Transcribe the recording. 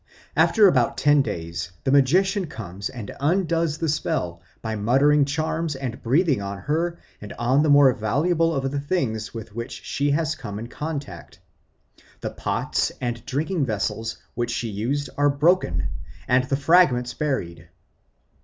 After about ten days the magician comes and undoes the spell by muttering charms and breathing on her and on the more valuable of the things with which she has come in contact. The pots and drinking vessels which she used are broken and the fragments buried.